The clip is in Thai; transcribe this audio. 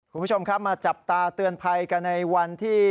คุณผู้ชมครับมาจับตาเตือนภัยกันในวันที่